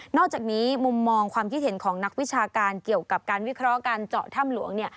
อกจากนี้มุมมองความคิดเห็นของนักวิชาการเกี่ยวกับการวิเคราะห์การเจาะถ้ำหลวงเนี่ย